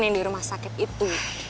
yang di rumah sakit itu